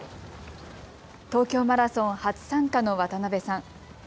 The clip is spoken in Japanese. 東京マラソン初参加の渡辺さん。